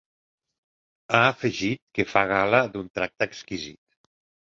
Ha afegit que ‘fa gala d’un tracte exquisit’.